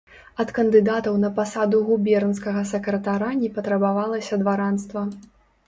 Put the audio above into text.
Ад кандыдатаў на пасаду губернскага сакратара не патрабавалася дваранства.